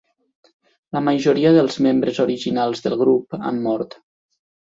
La majoria dels membres originals del grup han mort.